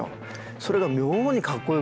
それが妙にかっこよくて。